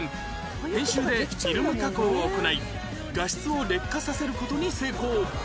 編集でフィルム加工を行い画質を劣化させる事に成功